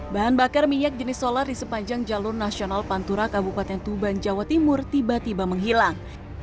bahan bakar minyak jenis solar di sepanjang jalur nasional pantura kabupaten tuban jawa timur tiba tiba menghilang